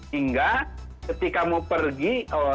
hingga ketika mau pergi